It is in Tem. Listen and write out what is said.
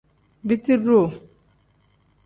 Biti duu.